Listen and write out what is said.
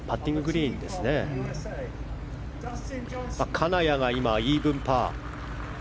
金谷が今、イーブンパー。